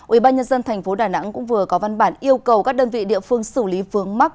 ubnd tp đà nẵng cũng vừa có văn bản yêu cầu các đơn vị địa phương xử lý vướng mắc